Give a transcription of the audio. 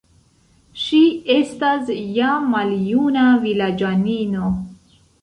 Ŝi estas ja maljuna vilaĝanino.